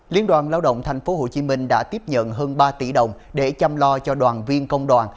liên đoàn lao động tp hcm đã tiếp nhận hơn ba tỷ đồng để chăm lo cho đoàn viên công đoàn